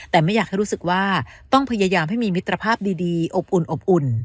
แต่ไม่อยากให้รู้สึกว่าต้องพยายามให้มีมิตรภาพดีอบอุ่นอบอุ่น